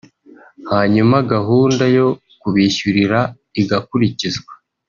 hanyuma gahunda yo kubishyurira igakurikizwa